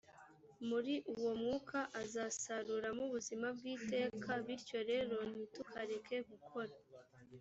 muri uwo mwuka azasaruramo ubuzima bw iteka bityo rero ntitukareke gukora